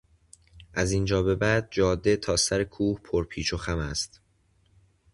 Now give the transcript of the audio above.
از اینجا به بعد جاده تا سر کوه پر پیچ و خم است.